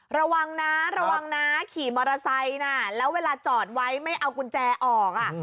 ระวังนะระวังนะขี่มอเตอร์ไซค์นะแล้วเวลาจอดไว้ไม่เอากุญแจออก